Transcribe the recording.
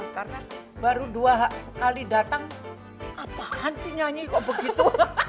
karena baru dua kali datang apaan sih nyanyi kok begitu